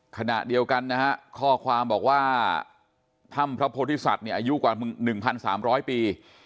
ขณะเดียวกันนะฮะข้อความบอกว่าถ้ำพระโพธิสัตว์เนี่ยอายุกว่า๑๓๐๐ปี